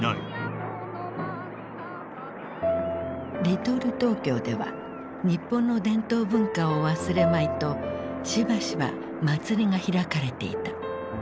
リトル・トーキョーでは日本の伝統文化を忘れまいとしばしば祭りが開かれていた。